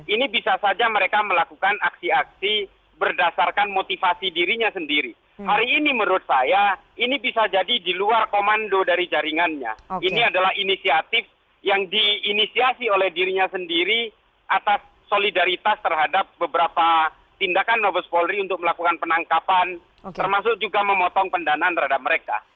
ini bisa saja mereka melakukan aksi aksi berdasarkan motivasi dirinya sendiri hari ini menurut saya ini bisa jadi di luar komando dari jaringannya ini adalah inisiatif yang diinisiasi oleh dirinya sendiri atas solidaritas terhadap beberapa tindakan novos polri untuk melakukan penangkapan termasuk juga memotong pendanaan terhadap mereka